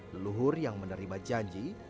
leluhur yang menerima janji